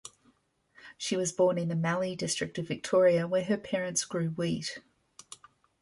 She was born in the Mallee district of Victoria where her parents grew wheat.